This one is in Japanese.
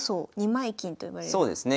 そうですね。